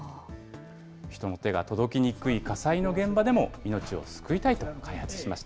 人の手が届きにくい火災の現場でも、命を救いたいと開発しました。